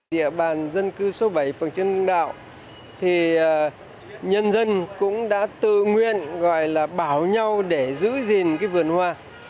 địa bàn dân cư số bảy phường trần đạo thì nhân dân cũng đã tự nguyện gọi là bảo nhau để giữ gìn cái vườn hoa